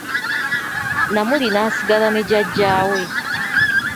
Namuli n'asigala ne jjaja we .